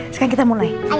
sekarang kita mulai